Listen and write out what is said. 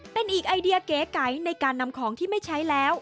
เป็นอีกไอเดียเก๋ไก๋ในการนำของที่ไม่ใช้แล้ว